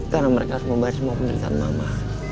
karena mereka mau bayar semua pendidikan mama